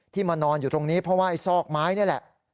มานอนอยู่ตรงนี้เพราะว่าไอ้ซอกไม้นี่แหละ